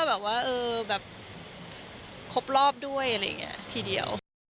แบบว่าแบบครบรอบด้วยอะไรอย่างนี้ทีเดียว